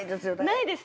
ないです。